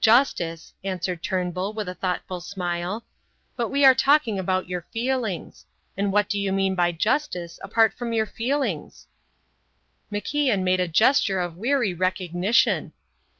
"Justice," answered Turnbull, with a thoughtful smile, "but we are talking about your feelings. And what do you mean by justice, apart from your feelings?" MacIan made a gesture of weary recognition!